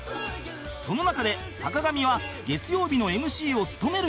その中で坂上は月曜日の ＭＣ を務める事に